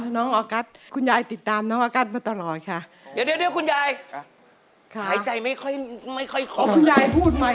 น้องก็ให้แม่มาคออย่ารอให้มันนานแรงพี่มีสิทธิ์ไม่เชื่อมา